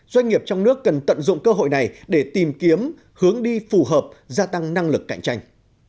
doanh nghiệp trong nước cần tận dụng cơ hội này để tìm kiếm hướng đi phù hợp gia tăng năng lực cạnh tranh